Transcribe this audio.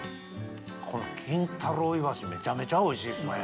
この金太郎イワシめちゃめちゃおいしいですね。